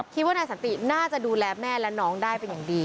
คิดว่านายสันติน่าจะดูแลแม่และน้องได้เป็นอย่างดี